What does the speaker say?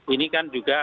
ini kan juga